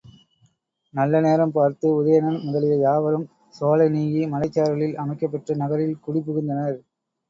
நல்ல நேரம் பார்த்து உதயணன் முதலிய யாவரும் சோலை நீங்கி மலைச்சாரலில் அமைக்கப் பெற்ற நகரில் குடிபுகுந்தனர்.